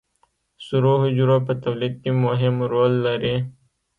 سرو حجرو په تولید کې مهم رول لري